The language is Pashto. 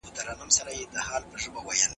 د چا حق پر خپل غاړه مه پریږدئ.